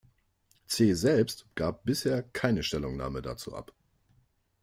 Zeh selbst gab bisher keine Stellungnahme dazu ab.